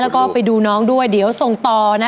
แล้วก็ไปดูน้องด้วยเดี๋ยวส่งต่อนะ